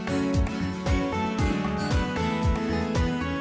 เพื่อนที่ไพรีล่อร์ขันสนิทรและการเปลี่ยนชื่อ